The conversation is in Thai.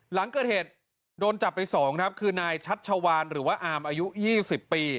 หลังเกิดเหตุโดนจับไป๒ครับคือนายชัชวานหรือว่าอามอายุ๒๐ปี